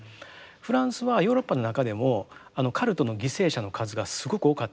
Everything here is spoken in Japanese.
フランスはヨーロッパの中でもカルトの犠牲者の数がすごく多かったんです。